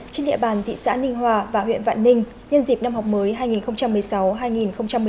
trên địa bàn thị xã ninh hòa và huyện vạn ninh nhân dịp năm học mới hai nghìn một mươi sáu hai nghìn một mươi chín